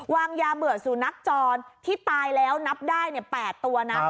วางยาเบื่อสุนัขจรที่ตายแล้วนับได้๘ตัวนะ